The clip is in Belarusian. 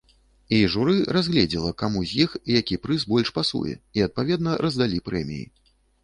І журы разгледзела, каму з іх які прыз больш пасуе і адпаведна раздалі прэміі.